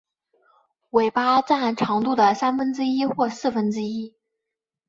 尾巴占总长度的三分之一或四分之一。